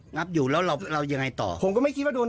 งับอยู่แล้วเราเรายังไงต่อผมก็ไม่คิดว่าโดน